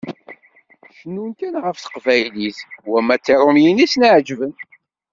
Cennun kan ɣef Teqbaylit, wamma d Tiṛumiyin i sen-iɛeǧben.